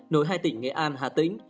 nối hai tỉnh nghệ an hà tĩnh